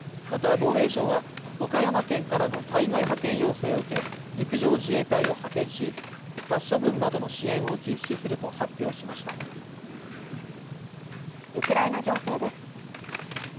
また防衛省は岡山県からの災害派遣要請を受け陸上自衛隊を派遣し殺処分などの支援を実施すると発表しましたウクライナ情勢です